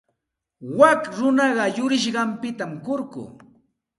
Wak runaqa yurisqanpita kurku.